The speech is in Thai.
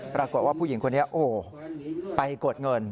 ปรากฏว่าผู้หญิงคนนี้โอ้โหไปกดเงิน